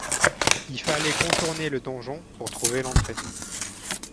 Il fallait contourner le donjon pour trouver l'entrée.